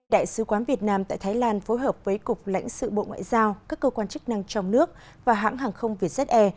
đại sứ quán việt nam tại thái lan phối hợp với cục lãnh sự bộ ngoại giao các cơ quan chức năng trong nước và hãng hàng không vietjet air